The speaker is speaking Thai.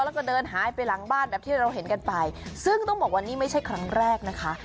แล้วก็เดินหายไปหลังบ้านแบบที่เราเห็นกันไปซึ่งต้องบอกว่านี่ไม่ใช่ครั้งแรกนะคะ